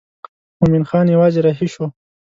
مومن خان یوازې رهي شو.